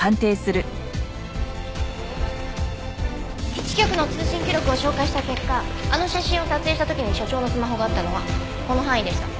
基地局の通信記録を照会した結果あの写真を撮影した時に所長のスマホがあったのはこの範囲でした。